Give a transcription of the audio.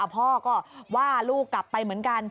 พ่อก็ว่าลูกกลับไปเหมือนกัน